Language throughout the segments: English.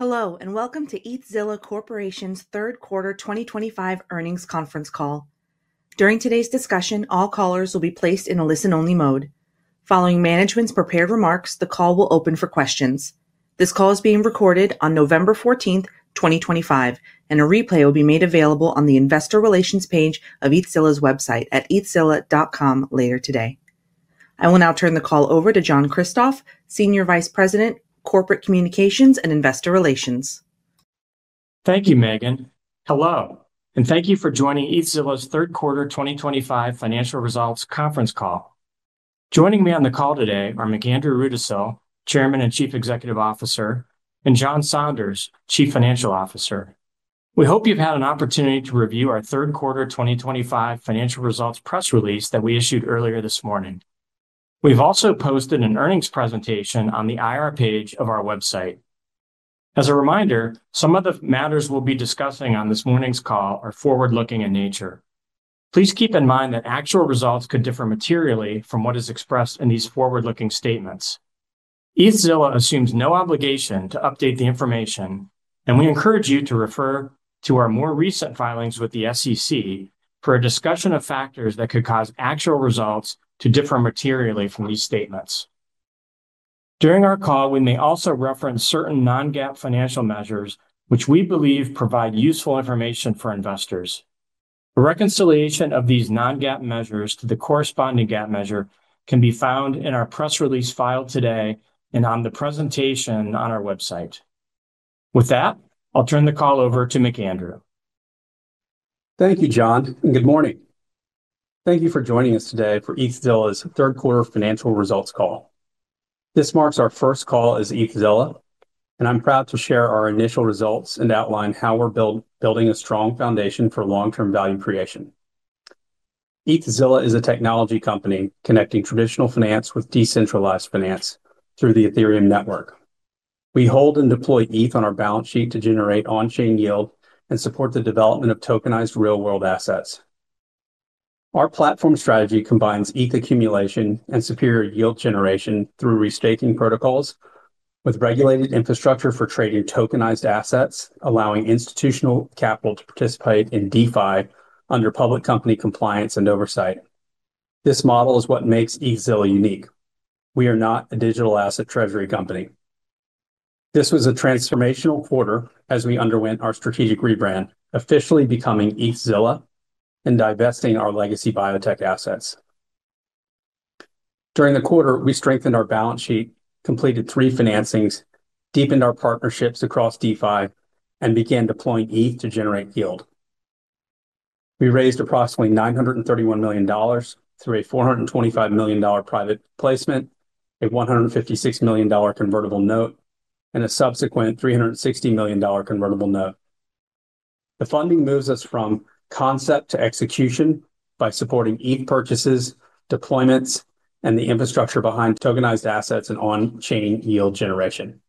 Hello, and welcome to ETHZilla Corporation's Third Quarter 2025 earnings conference call. During today's discussion, all callers will be placed in a listen-only mode. Following management's prepared remarks, the call will open for questions. This call is being recorded on November 14, 2025, and a replay will be made available on the Investor Relations page of ETHZilla's website at ethzilla.com later today. I will now turn the call over to John Kristoff, Senior Vice President, Corporate Communications and Investor Relations. Thank you, Megan. Hello, and thank you for joining ETHZilla's Third Quarter 2025 Financial Results Conference Call. Joining me on the call today are McAndrew Rudisill, Chairman and Chief Executive Officer, and John Saunders, Chief Financial Officer. We hope you've had an opportunity to review our Third Quarter 2025 financial results press release that we issued earlier this morning. We've also posted an earnings presentation on the IR page of our website. As a reminder, some of the matters we'll be discussing on this morning's call are forward-looking in nature. Please keep in mind that actual results could differ materially from what is expressed in these forward-looking statements. ETHZilla assumes no obligation to update the information, and we encourage you to refer to our more recent filings with the SEC for a discussion of factors that could cause actual results to differ materially from these statements. During our call, we may also reference certain Non-GAAP financial measures, which we believe provide useful information for investors. A reconciliation of these Non-GAAP measures to the corresponding GAAP measure can be found in our press release filed today and on the presentation on our website. With that, I'll turn the call over to McAndrew. Thank you, John, and good morning. Thank you for joining us today for ETHZilla's third quarter financial results call. This marks our first call as ETHZilla, and I'm proud to share our initial results and outline how we're building a strong foundation for long-term value creation. ETHZilla is a technology company connecting traditional finance with decentralized finance through the Ethereum network. We hold and deploy ETH on our balance sheet to generate on-chain yield and support the development of tokenized real-world assets. Our platform strategy combines ETH accumulation and superior yield generation through restaking protocols with regulated infrastructure for trading tokenized assets, allowing institutional capital to participate in DeFi under public company compliance and oversight. This model is what makes ETHZilla unique. We are not a digital asset treasury company. This was a transformational quarter as we underwent our strategic rebrand, officially becoming ETHZilla and divesting our legacy biotech assets. During the quarter, we strengthened our balance sheet, completed three financings, deepened our partnerships across DeFi, and began deploying ETH to generate yield. We raised approximately $931 million through a $425 million private placement, a $156 million convertible note, and a subsequent $360 million convertible note. The funding moves us from concept to execution by supporting ETH purchases, deployments, and the infrastructure behind tokenized assets and on-chain yield generation.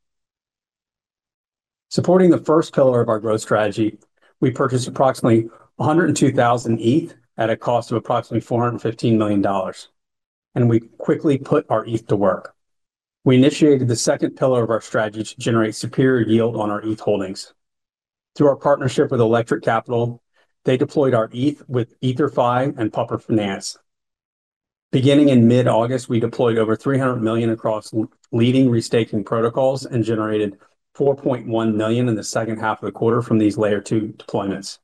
Supporting the first pillar of our growth strategy, we purchased approximately 102,000 ETH at a cost of approximately $415 million, and we quickly put our ETH to work. We initiated the second pillar of our strategy to generate superior yield on our ETH holdings. Through our partnership with Electric Capital, they deployed our ETH with Ether.fi and Puffer Finance. Beginning in mid-August, we deployed over $300 million across leading restoking protocols and generated $4.1 million in the second half of the quarter from these Layer 2 deployments.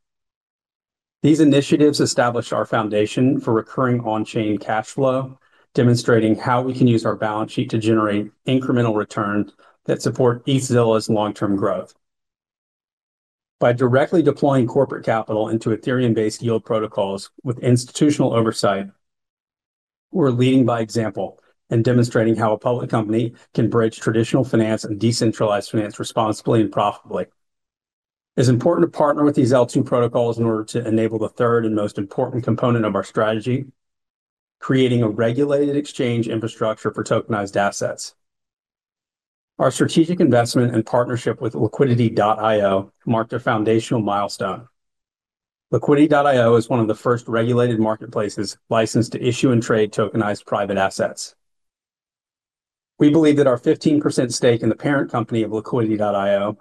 These initiatives established our foundation for recurring on-chain cash flow, demonstrating how we can use our balance sheet to generate incremental returns that support ETHZilla's long-term growth. By directly deploying corporate capital into Ethereum-based yield protocols with institutional oversight, we're leading by example and demonstrating how a public company can bridge traditional finance and decentralized finance responsibly and profitably. It's important to partner with these Layer 2 protocols in order to enable the third and most important component of our strategy: creating a regulated exchange infrastructure for tokenized assets. Our strategic investment and partnership with Liquidity.io marked a foundational milestone. Liquidity.io is one of the first regulated marketplaces licensed to issue and trade tokenized private assets. We believe that our 15% stake in the parent company of Liquidity.io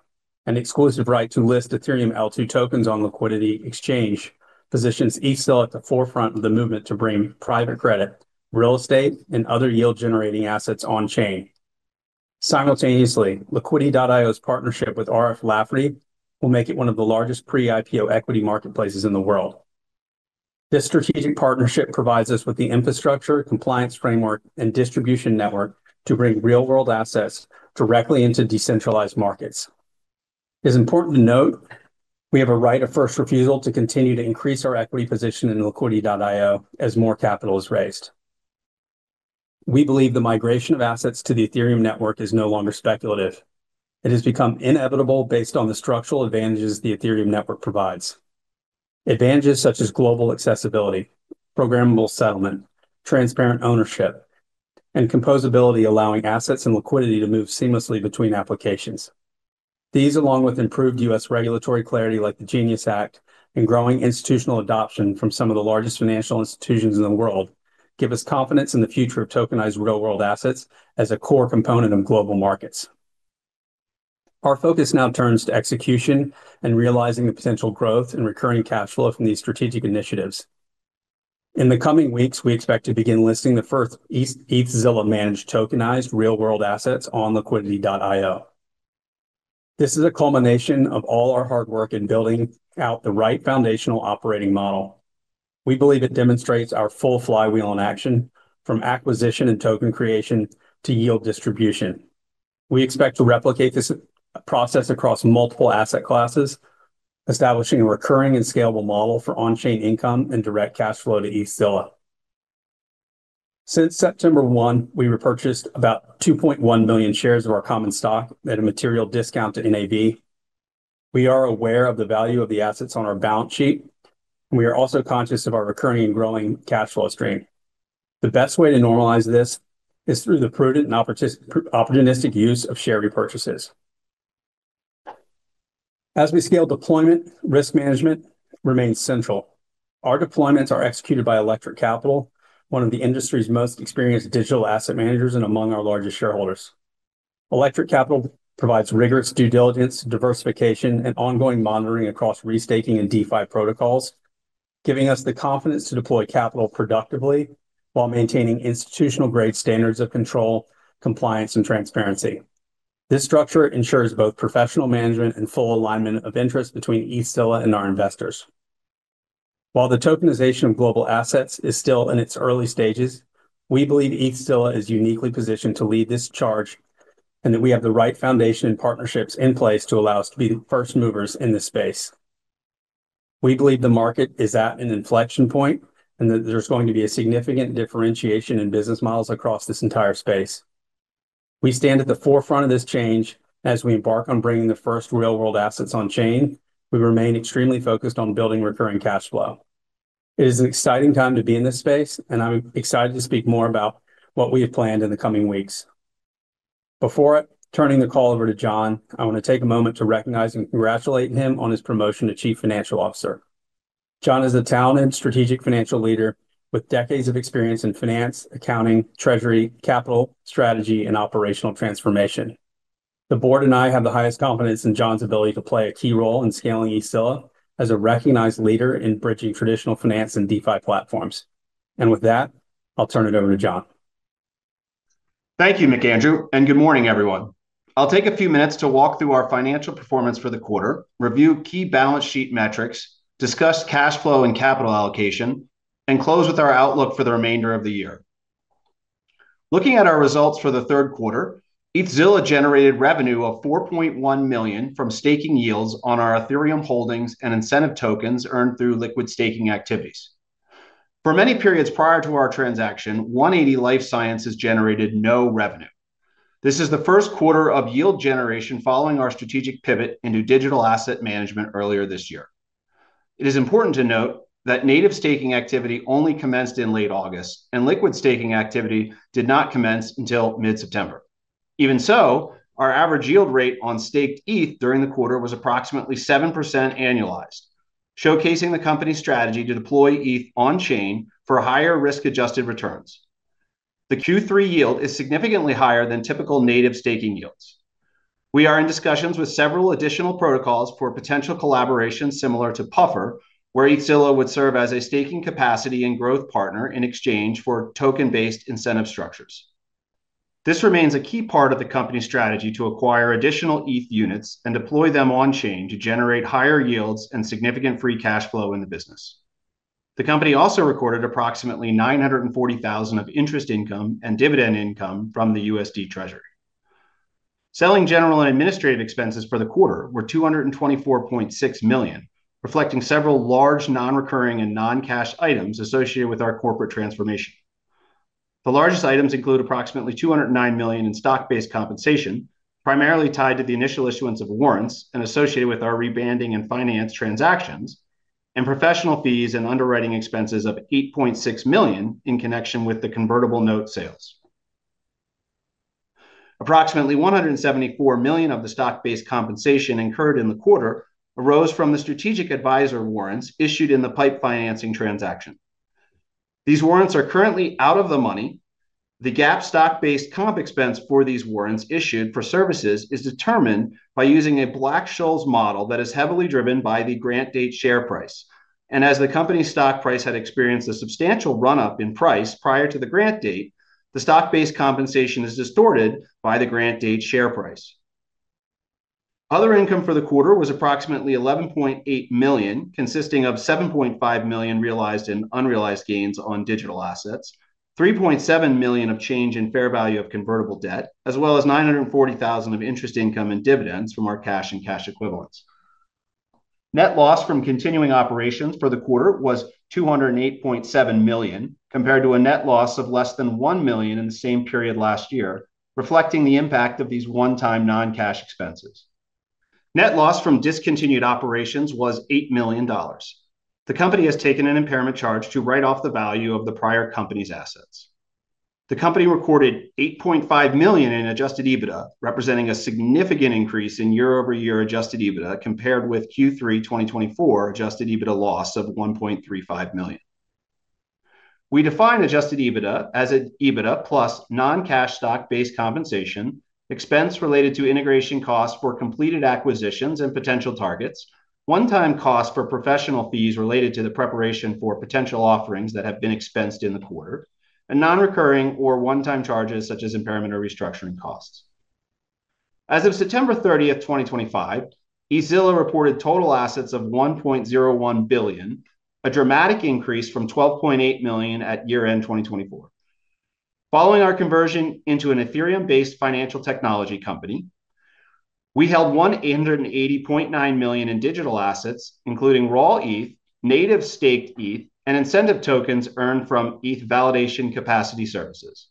and exclusive right to list Ethereum Layer 2 tokens on Liquidity Exchange positions ETHZilla at the forefront of the movement to bring private credit, real estate, and other yield-generating assets on-chain. Simultaneously, Liquidity.io's partnership with RF Lafferty will make it one of the largest pre-IPO equity marketplaces in the world. This strategic partnership provides us with the infrastructure, compliance framework, and distribution network to bring real-world assets directly into decentralized markets. It's important to note we have a right of first refusal to continue to increase our equity position in Liquidity.io as more capital is raised. We believe the migration of assets to the Ethereum network is no longer speculative. It has become inevitable based on the structural advantages the Ethereum network provides: advantages such as global accessibility, programmable settlement, transparent ownership, and composability, allowing assets and liquidity to move seamlessly between applications. These, along with improved U.S. regulatory clarity like the Genius Act and growing institutional adoption from some of the largest financial institutions in the world, give us confidence in the future of tokenized real-world assets as a core component of global markets. Our focus now turns to execution and realizing the potential growth and recurring cash flow from these strategic initiatives. In the coming weeks, we expect to begin listing the first ETHZilla-managed tokenized real-world assets on Liquidity.io. This is a culmination of all our hard work in building out the right foundational operating model. We believe it demonstrates our full flywheel in action, from acquisition and token creation to yield distribution. We expect to replicate this process across multiple asset classes, establishing a recurring and scalable model for on-chain income and direct cash flow to ETHZilla. Since September 1, we repurchased about 2.1 million shares of our common stock at a material discount to NAV. We are aware of the value of the assets on our balance sheet, and we are also conscious of our recurring and growing cash flow stream. The best way to normalize this is through the prudent and opportunistic use of share repurchases. As we scale deployment, risk management remains central. Our deployments are executed by Electric Capital, one of the industry's most experienced digital asset managers and among our largest shareholders. Electric Capital provides rigorous due diligence, diversification, and ongoing monitoring across restaking and DeFi protocols, giving us the confidence to deploy capital productively while maintaining institutional-grade standards of control, compliance, and transparency. This structure ensures both professional management and full alignment of interest between ETHZilla and our investors. While the tokenization of global assets is still in its early stages, we believe ETHZilla is uniquely positioned to lead this charge and that we have the right foundation and partnerships in place to allow us to be the first movers in this space. We believe the market is at an inflection point and that there's going to be a significant differentiation in business models across this entire space. We stand at the forefront of this change as we embark on bringing the first real-world assets on-chain. We remain extremely focused on building recurring cash flow. It is an exciting time to be in this space, and I'm excited to speak more about what we have planned in the coming weeks. Before turning the call over to John, I want to take a moment to recognize and congratulate him on his promotion to Chief Financial Officer. John is a talented strategic financial leader with decades of experience in finance, accounting, treasury, capital, strategy, and operational transformation. The board and I have the highest confidence in John's ability to play a key role in scaling ETHZilla as a recognized leader in bridging traditional finance and DeFi platforms. With that, I'll turn it over to John. Thank you, McAndrew, and good morning, everyone. I'll take a few minutes to walk through our financial performance for the quarter, review key balance sheet metrics, discuss cash flow and capital allocation, and close with our outlook for the remainder of the year. Looking at our results for the third quarter, ETHZilla generated revenue of $4.1 million from staking yields on our Ethereum holdings and incentive tokens earned through liquid staking activities. For many periods prior to our transaction, 180 Life Sciences generated no revenue. This is the first quarter of yield generation following our strategic pivot into digital asset management earlier this year. It is important to note that native staking activity only commenced in late August, and liquid staking activity did not commence until mid-September. Even so, our average yield rate on staked ETH during the quarter was approximately 7% annualized, showcasing the company's strategy to deploy ETH on-chain for higher risk-adjusted returns. The Q3 yield is significantly higher than typical native staking yields. We are in discussions with several additional protocols for potential collaborations similar to Puffer, where ETHZilla would serve as a staking capacity and growth partner in exchange for token-based incentive structures. This remains a key part of the company's strategy to acquire additional ETH units and deploy them on-chain to generate higher yields and significant free cash flow in the business. The company also recorded approximately $940,000 of interest income and dividend income from the USD Treasury. Selling, general, and administrative expenses for the quarter were $224.6 million, reflecting several large non-recurring and non-cash items associated with our corporate transformation. The largest items include approximately $209 million in stock-based compensation, primarily tied to the initial issuance of warrants and associated with our rebranding and finance transactions, and professional fees and underwriting expenses of $8.6 million in connection with the convertible note sales. Approximately $174 million of the stock-based compensation incurred in the quarter arose from the strategic advisor warrants issued in the pipe financing transaction. These warrants are currently out of the money. The GAAP stock-based comp expense for these warrants issued for services is determined by using a Black-Scholes model that is heavily driven by the grant date share price. As the company's stock price had experienced a substantial run-up in price prior to the grant date, the stock-based compensation is distorted by the grant date share price. Other income for the quarter was approximately $11.8 million, consisting of $7.5 million realized and unrealized gains on digital assets, $3.7 million of change in fair value of convertible debt, as well as $940,000 of interest income and dividends from our cash and cash equivalents. Net loss from continuing operations for the quarter was $208.7 million, compared to a net loss of less than $1 million in the same period last year, reflecting the impact of these one-time non-cash expenses. Net loss from discontinued operations was $8 million. The company has taken an impairment charge to write off the value of the prior company's assets. The company recorded $8.5 million in adjusted EBITDA, representing a significant increase in year-over-year adjusted EBITDA compared with Q3 2024 adjusted EBITDA loss of $1.35 million. We define adjusted EBITDA as EBITDA plus non-cash stock-based compensation, expense related to integration costs for completed acquisitions and potential targets, one-time costs for professional fees related to the preparation for potential offerings that have been expensed in the quarter, and non-recurring or one-time charges such as impairment or restructuring costs. As of September 30, 2025, ETHZilla reported total assets of $1.01 billion, a dramatic increase from $12.8 million at year-end 2024. Following our conversion into an Ethereum-based financial technology company, we held $180.9 million in digital assets, including raw ETH, native staked ETH, and incentive tokens earned from ETH validation capacity services.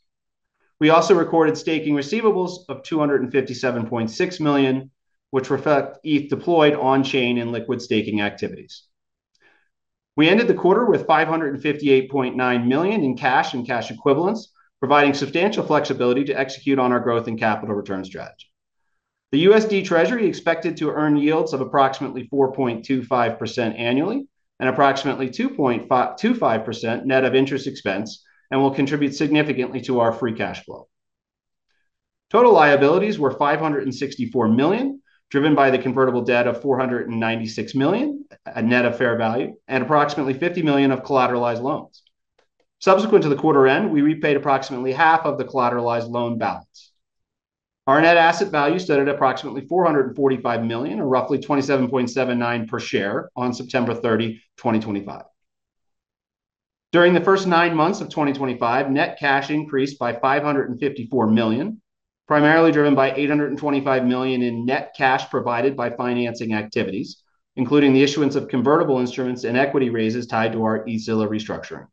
We also recorded staking receivables of $257.6 million, which reflect ETH deployed on-chain in liquid staking activities. We ended the quarter with $558.9 million in cash and cash equivalents, providing substantial flexibility to execute on our growth and capital return strategy. The USD Treasury expected to earn yields of approximately 4.25% annually and approximately 2.25% net of interest expense and will contribute significantly to our free cash flow. Total liabilities were $564 million, driven by the convertible debt of $496 million at net of fair value and approximately $50 million of collateralized loans. Subsequent to the quarter end, we repaid approximately half of the collateralized loan balance. Our net asset value stood at approximately $445 million, or roughly $27.79 per share on September 30, 2025. During the first nine months of 2025, net cash increased by $554 million, primarily driven by $825 million in net cash provided by financing activities, including the issuance of convertible instruments and equity raises tied to our ETHZilla restructuring.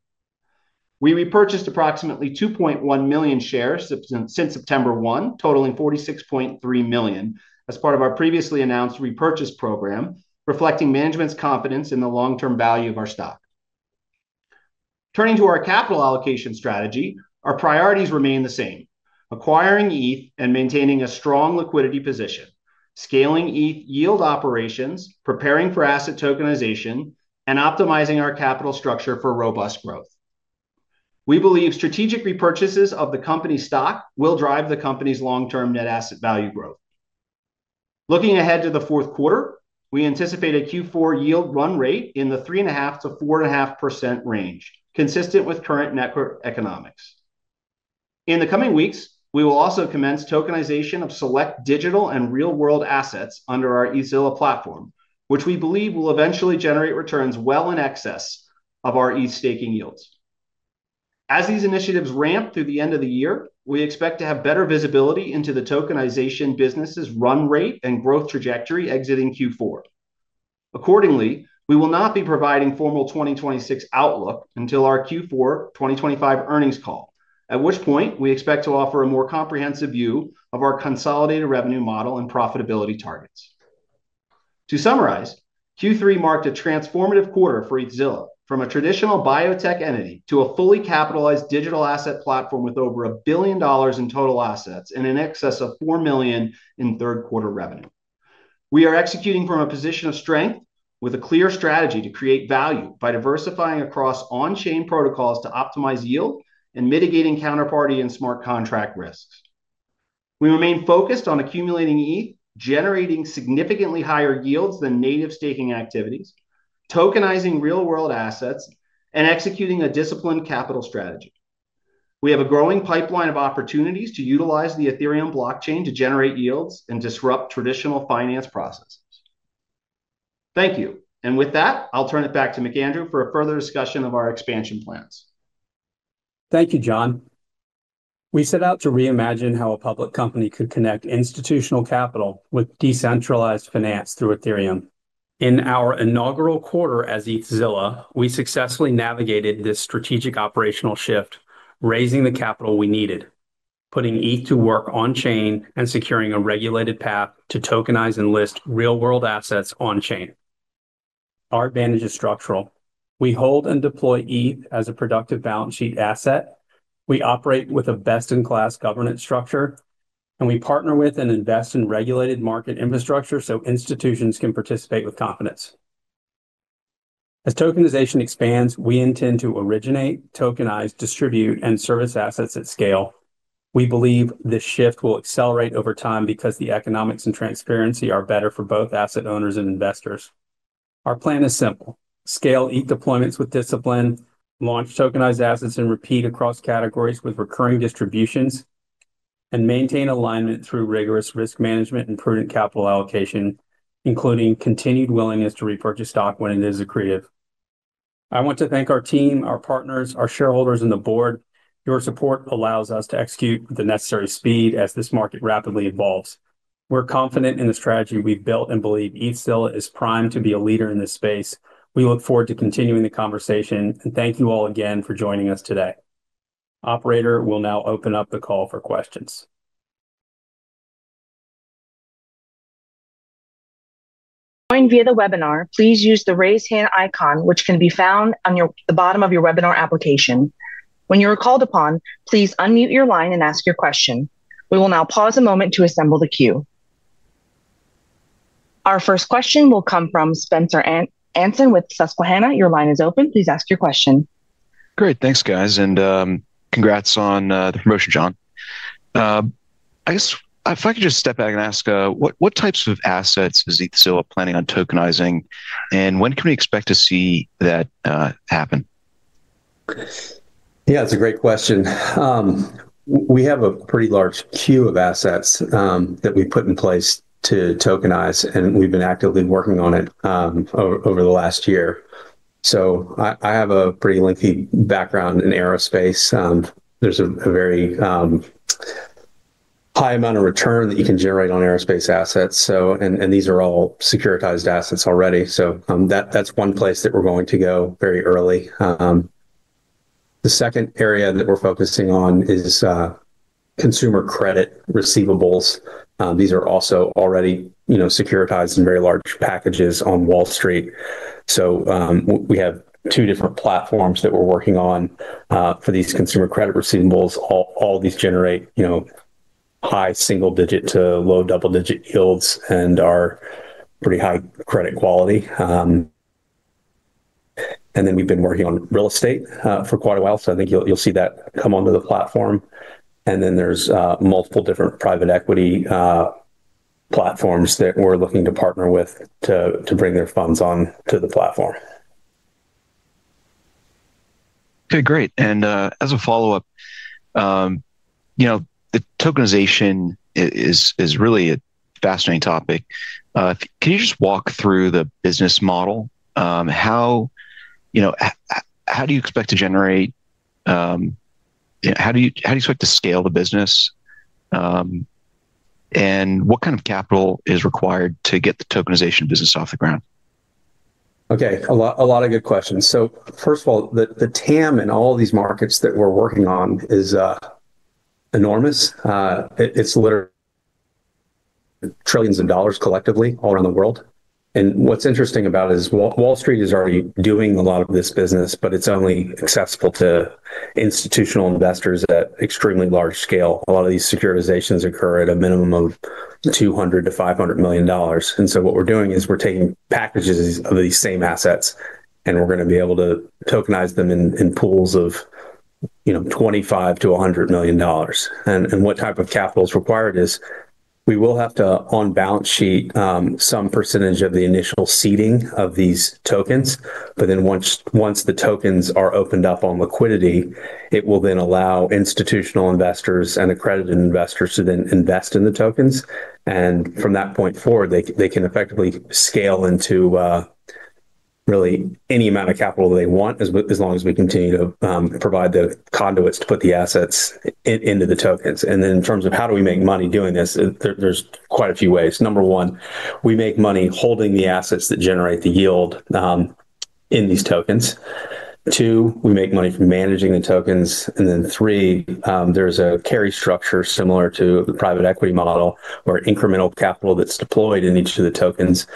We repurchased approximately 2.1 million shares since September 1, totaling $46.3 million as part of our previously announced repurchase program, reflecting management's confidence in the long-term value of our stock. Turning to our capital allocation strategy, our priorities remain the same: acquiring ETH and maintaining a strong liquidity position, scaling ETH yield operations, preparing for asset tokenization, and optimizing our capital structure for robust growth. We believe strategic repurchases of the company's stock will drive the company's long-term net asset value growth. Looking ahead to the fourth quarter, we anticipate a Q4 yield run rate in the 3.5%-4.5% range, consistent with current macroeconomics. In the coming weeks, we will also commence tokenization of select digital and real-world assets under our ETHZilla platform, which we believe will eventually generate returns well in excess of our ETH staking yields. As these initiatives ramp through the end of the year, we expect to have better visibility into the tokenization business's run rate and growth trajectory exiting Q4. Accordingly, we will not be providing formal 2026 outlook until our Q4 2025 earnings call, at which point we expect to offer a more comprehensive view of our consolidated revenue model and profitability targets. To summarize, Q3 marked a transformative quarter for ETHZilla, from a traditional biotech entity to a fully capitalized digital asset platform with over $1 billion in total assets and in excess of $4 million in third-quarter revenue. We are executing from a position of strength with a clear strategy to create value by diversifying across on-chain protocols to optimize yield and mitigating counterparty and smart contract risks. We remain focused on accumulating ETH, generating significantly higher yields than native staking activities, tokenizing real-world assets, and executing a disciplined capital strategy. We have a growing pipeline of opportunities to utilize the Ethereum blockchain to generate yields and disrupt traditional finance processes. Thank you. With that, I'll turn it back to McAndrew for a further discussion of our expansion plans. Thank you, John. We set out to reimagine how a public company could connect institutional capital with decentralized finance through Ethereum. In our inaugural quarter as ETHZilla, we successfully navigated this strategic operational shift, raising the capital we needed, putting ETH to work on-chain and securing a regulated path to tokenize and list real-world assets on-chain. Our advantage is structural. We hold and deploy ETH as a productive balance sheet asset. We operate with a best-in-class governance structure, and we partner with and invest in regulated market infrastructure so institutions can participate with confidence. As tokenization expands, we intend to originate, tokenize, distribute, and service assets at scale. We believe this shift will accelerate over time because the economics and transparency are better for both asset owners and investors. Our plan is simple: scale ETH deployments with discipline, launch tokenized assets and repeat across categories with recurring distributions, and maintain alignment through rigorous risk management and prudent capital allocation, including continued willingness to repurchase stock when it is accretive. I want to thank our team, our partners, our shareholders, and the board. Your support allows us to execute with the necessary speed as this market rapidly evolves. We're confident in the strategy we've built and believe ETHZilla is primed to be a leader in this space. We look forward to continuing the conversation, and thank you all again for joining us today. Operator will now open up the call for questions. Joined via the webinar, please use the raise hand icon, which can be found on the bottom of your webinar application. When you're called upon, please unmute your line and ask your question. We will now pause a moment to assemble the queue. Our first question will come from Spencer Anson with Susquehanna. Your line is open. Please ask your question. Great. Thanks, guys. Congrats on the promotion, John. I guess if I could just step back and ask, what types of assets is ETHZilla planning on tokenizing, and when can we expect to see that happen? Yeah, it's a great question. We have a pretty large queue of assets that we've put in place to tokenize, and we've been actively working on it over the last year. I have a pretty lengthy background in aerospace. There's a very high amount of return that you can generate on aerospace assets, and these are all securitized assets already. That is one place that we're going to go very early. The second area that we're focusing on is consumer credit receivables. These are also already securitized in very large packages on Wall Street. We have two different platforms that we're working on for these consumer credit receivables. All of these generate high single-digit to low double-digit yields and are pretty high credit quality. We have been working on real estate for quite a while, so I think you'll see that come onto the platform. There are multiple different private equity platforms that we're looking to partner with to bring their funds onto the platform. Okay, great. As a follow-up, the tokenization is really a fascinating topic. Can you just walk through the business model? How do you expect to generate? How do you expect to scale the business? What kind of capital is required to get the tokenization business off the ground? Okay, a lot of good questions. First of all, the TAM in all these markets that we're working on is enormous. It's literally trillions of dollars collectively all around the world. What's interesting about it is Wall Street is already doing a lot of this business, but it's only accessible to institutional investors at extremely large scale. A lot of these securitizations occur at a minimum of $200 million to $500 million. What we're doing is we're taking packages of these same assets, and we're going to be able to tokenize them in pools of $25 million to $100 million. What type of capital is required is we will have to, on balance sheet, some percentage of the initial seeding of these tokens. Once the tokens are opened up on Liquidity.io, it will then allow institutional investors and accredited investors to invest in the tokens. From that point forward, they can effectively scale into really any amount of capital they want as long as we continue to provide the conduits to put the assets into the tokens. In terms of how do we make money doing this, there are quite a few ways. Number one, we make money holding the assets that generate the yield in these tokens. Two, we make money from managing the tokens. Three, there is a carry structure similar to the private equity model where incremental capital that is deployed in each of the tokens,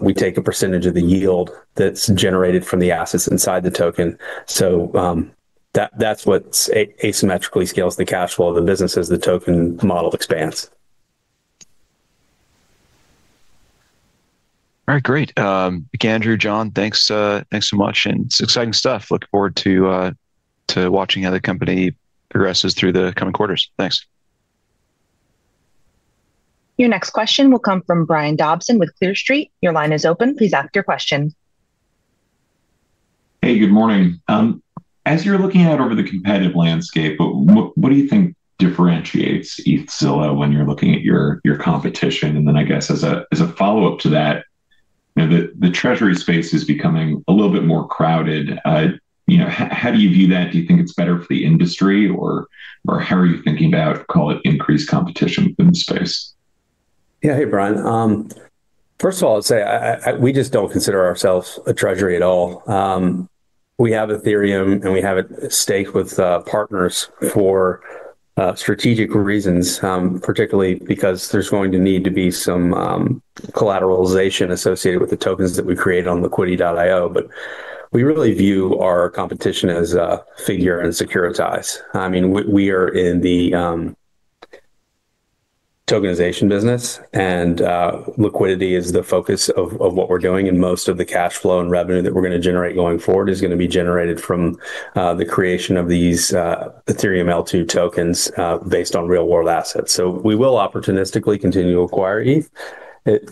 we take a percentage of the yield that is generated from the assets inside the token. That's what asymmetrically scales the cash flow of the business as the token model expands. All right, great. McAndrew, John, thanks so much. It's exciting stuff. Look forward to watching how the company progresses through the coming quarters. Thanks. Your next question will come from Brian Dobson with Clear Street. Your line is open. Please ask your question. Hey, good morning. As you're looking out over the competitive landscape, what do you think differentiates ETHZilla when you're looking at your competition? I guess as a follow-up to that, the Treasury space is becoming a little bit more crowded. How do you view that? Do you think it's better for the industry, or how are you thinking about, call it, increased competition in the space? Yeah, hey, Brian. First of all, I'd say we just don't consider ourselves a Treasury at all. We have Ethereum, and we have a stake with partners for strategic reasons, particularly because there's going to need to be some collateralization associated with the tokens that we create on Liquidity.io. I mean, we really view our competition as Figure and Securitize. I mean, we are in the tokenization business, and liquidity is the focus of what we're doing. Most of the cash flow and revenue that we're going to generate going forward is going to be generated from the creation of these Ethereum Layer 2 tokens based on real-world assets. We will opportunistically continue to acquire ETH if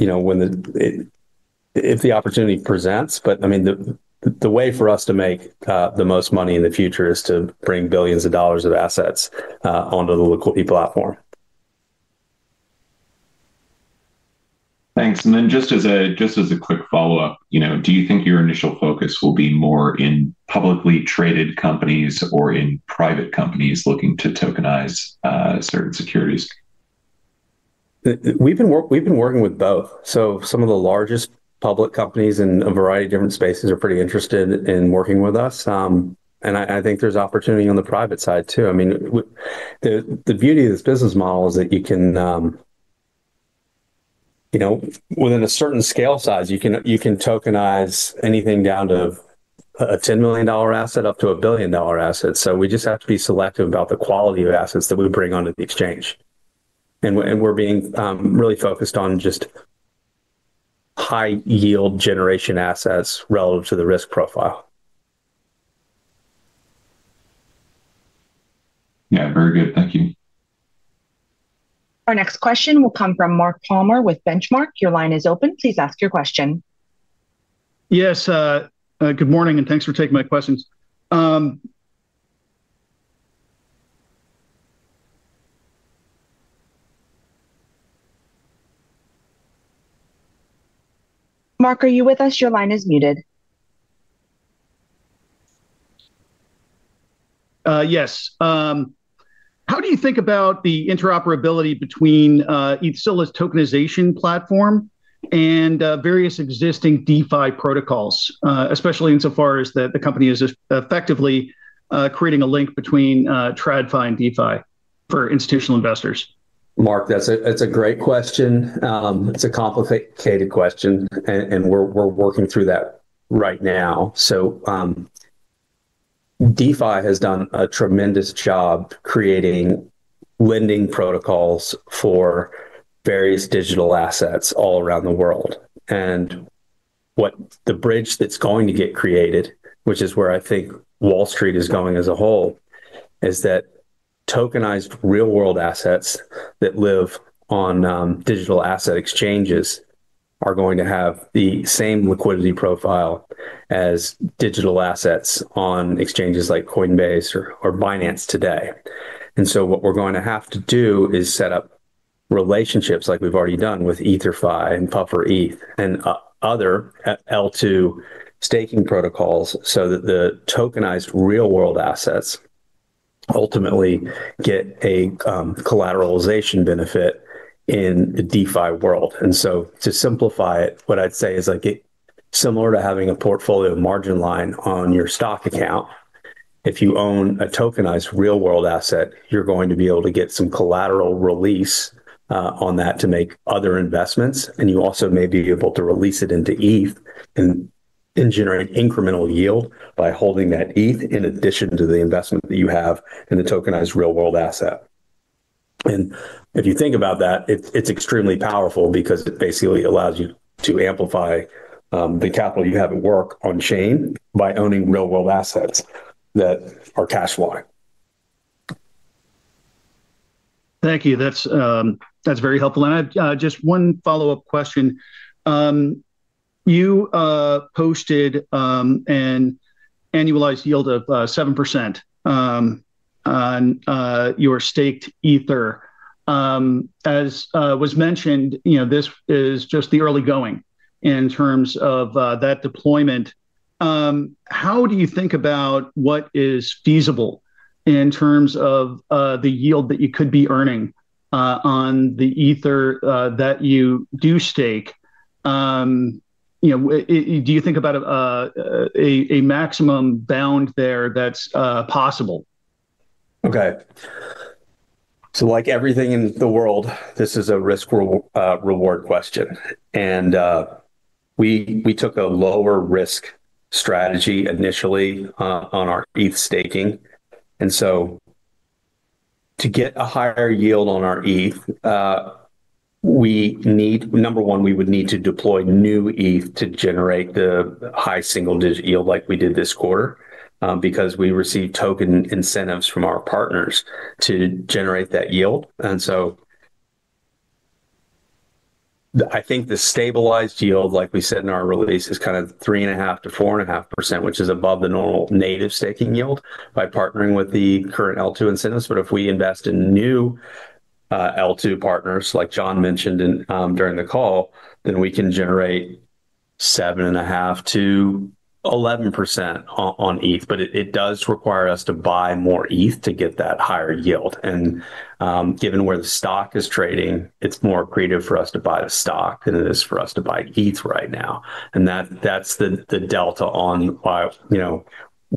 the opportunity presents. I mean, the way for us to make the most money in the future is to bring billions of dollars of assets onto the Liquidity.io platform. Thanks. Just as a quick follow-up, do you think your initial focus will be more in publicly traded companies or in private companies looking to tokenize certain securities? We've been working with both. Some of the largest public companies in a variety of different spaces are pretty interested in working with us. I think there's opportunity on the private side too. I mean, the beauty of this business model is that you can, within a certain scale size, tokenize anything down to a $10 million asset up to a $1 billion asset. We just have to be selective about the quality of assets that we bring onto the exchange. We're being really focused on just high-yield generation assets relative to the risk profile. Yeah, very good. Thank you. Our next question will come from Mark Palmer with Benchmark. Your line is open. Please ask your question. Yes, good morning, and thanks for taking my questions. Mark, are you with us? Your line is muted. Yes. How do you think about the interoperability between ETHZilla's tokenization platform and various existing DeFi protocols, especially insofar as the company is effectively creating a link between TradFi and DeFi for institutional investors? Mark, that's a great question. It's a complicated question, and we're working through that right now. DeFi has done a tremendous job creating lending protocols for various digital assets all around the world. The bridge that's going to get created, which is where I think Wall Street is going as a whole, is that tokenized real-world assets that live on digital asset exchanges are going to have the same liquidity profile as digital assets on exchanges like Coinbase or Binance today. What we're going to have to do is set up relationships like we've already done with Ether.fi and Puffer and other Layer 2 staking protocols so that the tokenized real-world assets ultimately get a collateralization benefit in the DeFi world. To simplify it, what I'd say is similar to having a portfolio margin line on your stock account. If you own a tokenized real-world asset, you're going to be able to get some collateral release on that to make other investments. You also may be able to release it into ETH and generate incremental yield by holding that ETH in addition to the investment that you have in the tokenized real-world asset. If you think about that, it's extremely powerful because it basically allows you to amplify the capital you have at work on-chain by owning real-world assets that are cash-line. Thank you. That's very helpful. Just one follow-up question. You posted an annualized yield of 7% on your staked Ether. As was mentioned, this is just the early going in terms of that deployment. How do you think about what is feasible in terms of the yield that you could be earning on the Ether that you do stake? Do you think about a maximum bound there that's possible? Okay. Like everything in the world, this is a risk-reward question. We took a lower-risk strategy initially on our Ether staking. To get a higher yield on our Ether, number one, we would need to deploy new Ether to generate the high single-digit yield like we did this quarter because we received token incentives from our partners to generate that yield. I think the stabilized yield, like we said in our release, is kind of 3.5%-4.5%, which is above the normal native staking yield by partnering with the current Layer 2 incentives. If we invest in new Layer 2 partners, like John mentioned during the call, then we can generate 7.5%-11% on Ether. It does require us to buy more Ether to get that higher yield. Given where the stock is trading, it's more accretive for us to buy the stock than it is for us to buy ETH right now. That's the delta on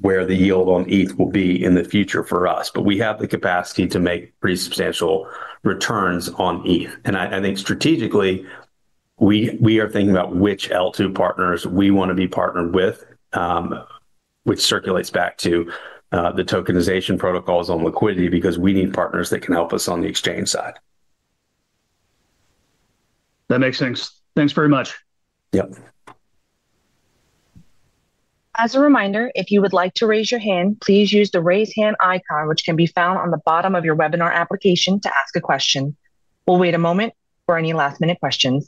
where the yield on ETH will be in the future for us. We have the capacity to make pretty substantial returns on ETH. I think strategically, we are thinking about which Layer 2 partners we want to be partnered with, which circulates back to the tokenization protocols on Liquidity.io because we need partners that can help us on the exchange side. That makes sense. Thanks very much. Yep. As a reminder, if you would like to raise your hand, please use the raise hand icon, which can be found on the bottom of your webinar application to ask a question. We'll wait a moment for any last-minute questions.